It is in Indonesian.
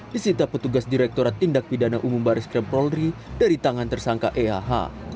disita petugas direkturat tindak pidana umum baris krim polri dari tangan tersangka ehh